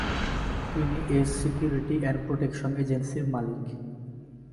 তিনি S security and protection এজেন্সির মালিক।